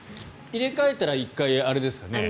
入れ替えたら１回あれですよね。